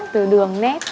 từ đường nét